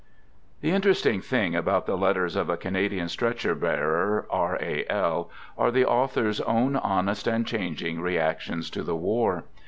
The interesting thing about the letters of a Cana dian stretcher bearer, " R. A. L.," are the author's own honest and changing reactions to the war.